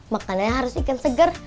makanannya harus ikan segar